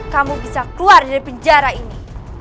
kamu bisa keluar dari penjara ini